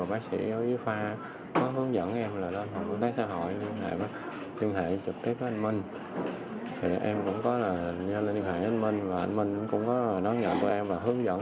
các phòng công tác xã hội đã trực tiếp cảnh báo người bệnh nhân